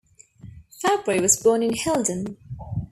Fabry was born in Hilden.